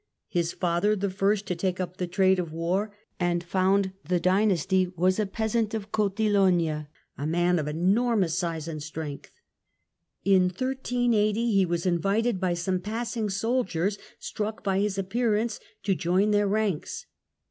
His father, the first to take up the trade of war and found the dynasty, was a peasant of Cotilogna, a man of enormous size and strength. In 1380 he was invited by some passing soldiers, struck by his appear ance, to join their ranks.